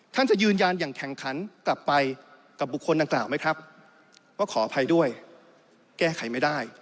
จะยืนยันอย่างแข่งขันกลับไปกับบุคคลดังกล่าวไหมครับว่าขออภัยด้วยแก้ไขไม่ได้